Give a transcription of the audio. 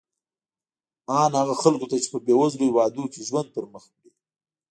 ان هغو خلکو ته چې په بېوزلو هېوادونو کې ژوند پرمخ وړي.